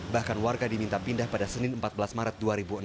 bahkan warga diminta pindah pada senin empat belas maret dua ribu enam belas